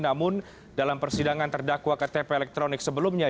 namun dalam persidangan terdakwa ktp elektronik sebelumnya